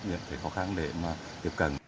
những khó khăn để tiếp cận